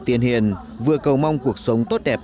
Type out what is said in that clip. tiền hiền vừa cầu mong cuộc sống tốt đẹp